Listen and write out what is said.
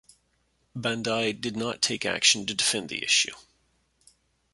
Bandai did not take action to defend the issue.